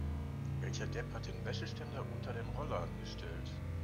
Welcher Depp hat den Wäscheständer unter den Rollladen gestellt?